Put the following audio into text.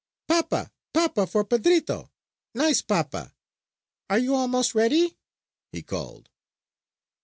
"Papa, papa for Pedrito! Nice papa! Are you almost ready?" he called.